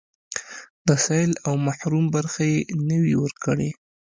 د سايل او محروم برخه يې نه وي ورکړې.